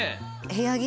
部屋着？